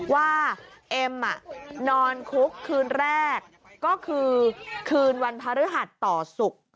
ว่าเอ็มนอนคุกคืนแรกก็คือคืนวันพระฤหัสต่อศุกร์